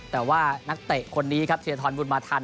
แต่ว่านักเตะคนนี้ครับเทียทรบุญมาทัน